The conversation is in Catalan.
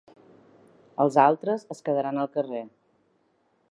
Els altres es quedaran al carrer.